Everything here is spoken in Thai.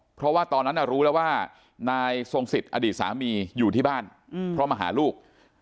เพราะว่าตอนนั้นรู้แล้วว่านายทรงสิทธิ์อดีตสามีอยู่ที่บ้านเพราะมาหาลูก